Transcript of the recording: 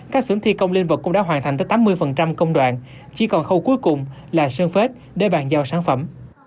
các xưởng thi công linh vật cũng đã hoàn thành tới tám mươi công đoạn chỉ còn khâu cuối cùng là sơn phết để bàn giao sản phẩm